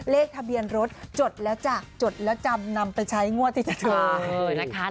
เลขทะเบียนรถจดแล้วจับจดแล้วจำนำไปใช้งวดดิจาตรี